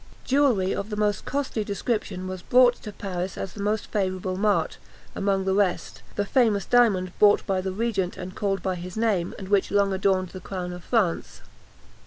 Jewellery of the most costly description was brought to Paris as the most favourable mart; among the rest, the famous diamond bought by the regent, and called by his name, and which long adorned the crown of France.